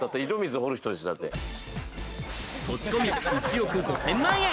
土地込み１億５０００万円。